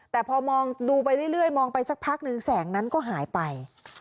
แต่พอมองดูไปเรื่อยมองไปสักพักหนึ่งแสงนั้นก็หายไป